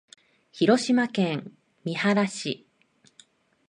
広島県三原市